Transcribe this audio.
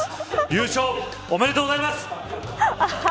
優勝、おめでとうございます。